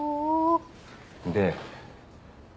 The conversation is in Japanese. で